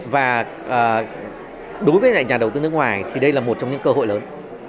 và đối với lại nhà đầu tư nước ngoài thì đây là một trong những cơ hội lớn